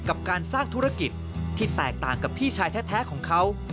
กับการสร้างธุรกิจที่แตกต่างกับพี่ชายแท้ของเขา